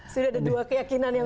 sudah ada dua keyakinan yang